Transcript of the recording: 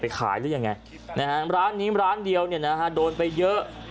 ไปขายหรืออย่างไงร้านนี้ร้านเดียวโดนไปเยอะ